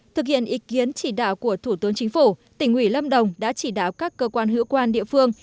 thực hiện ý kiến chỉ đạo của thủ tướng chính phủ tỉnh ủy lâm đồng đã chỉ đạo các cơ quan hữu quan địa phương